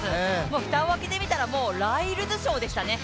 蓋を開けてみたらもうライルズショーでしたね。